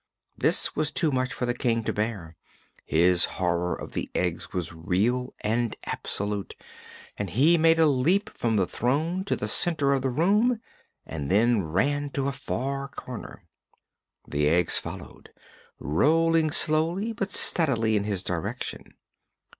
This was too much for the King to bear. His horror of eggs was real and absolute and he made a leap from the throne to the center of the room and then ran to a far corner. The eggs followed, rolling slowly but steadily in his direction.